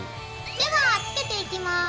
ではつけていきます。